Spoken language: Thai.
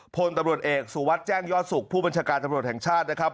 พลตำรวจเอกสุวัสดิ์แจ้งยอดสุขผู้บัญชาการตำรวจแห่งชาตินะครับ